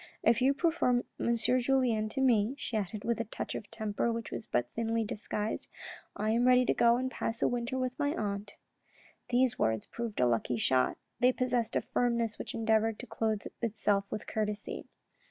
If you prefer M. Julien to me," she added, with a touch of temper which was but thinly disguised, " I am ready to go and pass a winter with my aunt." These words proved a lucky shot. They possessed a firmness which endeavoured to clothe itself with courtesy.